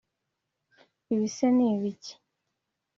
ibise ni ibiki